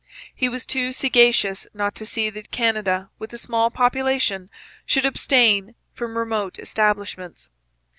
He was too sagacious not to see that Canada with a small population should abstain from remote establishments.